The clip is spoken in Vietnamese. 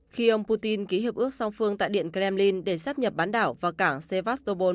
khi ông putin ký hiệp ước song phương tại điện kremlin để xác nhập bán đảo vào cảng sevastopol